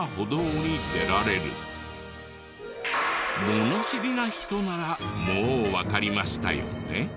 物知りな人ならもうわかりましたよね？